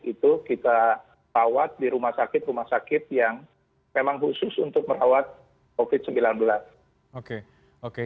itu kita rawat di rumah sakit rumah sakit yang memang khusus untuk merawat covid sembilan belas